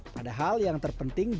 padahal yang terpenting adalah